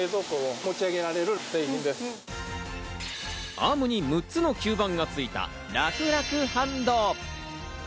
アームに６つの吸盤がついたラクラクハンド。